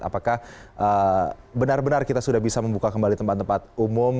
apakah benar benar kita sudah bisa membuka kembali tempat tempat umum